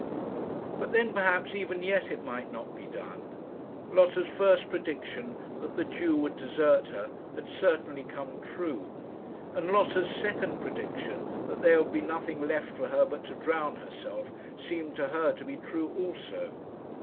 But then, perhaps, even yet it might not be done. Lotta's first prediction, that the Jew would desert her, had certainly come true; and Lotta's second prediction, that there would be nothing left for her but to drown herself, seemed to her to be true also.